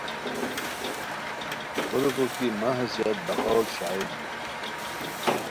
کوریکو کی مہ حیثیت بقولِ شاعرځ